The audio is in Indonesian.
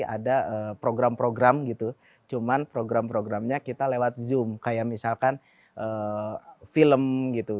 ada program program gitu cuman program programnya kita lewat zoom kayak misalkan film gitu